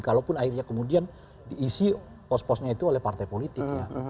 kalaupun akhirnya kemudian diisi pos posnya itu oleh partai politik ya